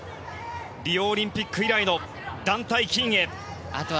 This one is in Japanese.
リオオリンピック以来の団体金へ。